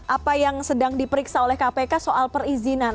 apa yang sedang diperiksa oleh kpk soal perizinan